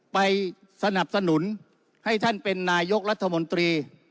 ไปสนับสนุนให้ท่านเป็นนายกรัฐมนตรี